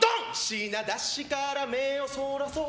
品出しから目をそらそう！